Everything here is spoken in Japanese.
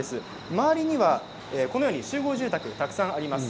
周りにはこのように集合住宅がたくさんあります。